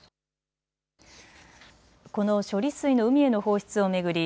この処理水の海への放出を巡り